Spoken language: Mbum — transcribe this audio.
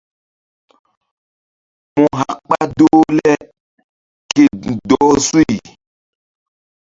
Mu hak ɓa doh le ke dɔh suy.